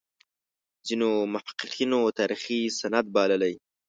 ځینو محققینو تاریخي سند بللی.